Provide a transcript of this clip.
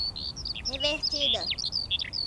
revertida